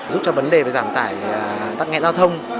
giúp cho vấn đề về giảm tải tắc nghẹn giao thông